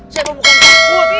saya kan bukan takut